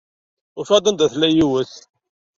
Ufiɣ-d anda tella yiwet.